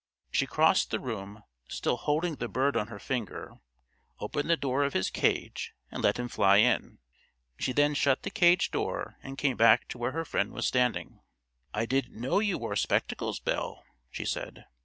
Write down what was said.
She crossed the room, still holding the bird on her finger, opened the door of his cage, and let him fly in. She then shut the cage door and came back to where her friend was standing. "I didn't know you wore spectacles, Belle," she said.